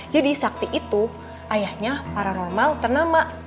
jadi sakti itu ayahnya paranormal ternama